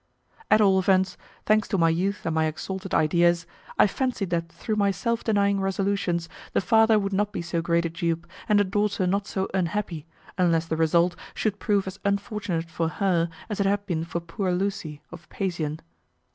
At all events, thanks to my youth and my exalted ideas, I fancied that through my self denying resolutions the father would not be so great a dupe, and the daughter not so unhappy, unless the result should prove as unfortunate for her as it had been for poor Lucy, of Pasean.